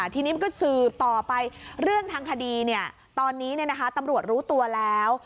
ทีนี้ก็คือต่อไปเรื่องทางคดีเนี่ยตอนนี้เนี่ยนะคะตำรวจรู้ตัวแล้ว